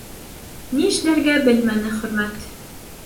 Ни эшләргә белмәне Хөрмәт.